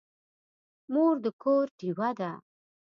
مور د کور ډېوه ده.